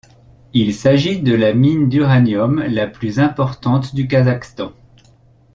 Il s'agit de la mine d'uranium la plus importante du Kazakhstan.